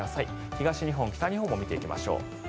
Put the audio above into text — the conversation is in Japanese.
東日本、北日本も見ていきます。